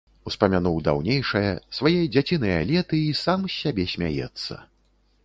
Успамянуў даўнейшае, свае дзяціныя леты й сам з сябе смяецца.